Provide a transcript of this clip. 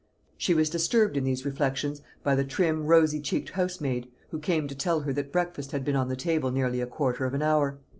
She was disturbed in these reflections by the trim rosy cheeked house maid, who came to tell her that breakfast had been on the table nearly a quarter of an hour.